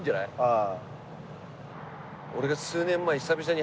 ああ。